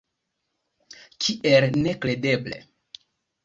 Kiel nekredeble!